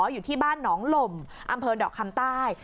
อยู่ที่บ้านหนองหล่มอำเภอดอกคำใต้